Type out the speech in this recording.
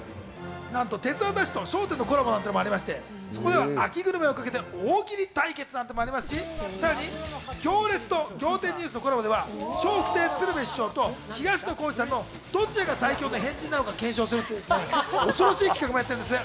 なんと『鉄腕！ＤＡＳＨ！！』と『笑点』のコラボなんかもありまして、秋グルメをかけて大喜利対決なんていうのもありますし、さらに『行列』と『仰天ニュース』のコラボでは笑福亭鶴瓶師匠と東野幸治さんのどちらが最強の変人なのかを検証するという企画もあります。